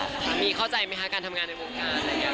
สามีเข้าใจไหมคะการทำงานในมุมการ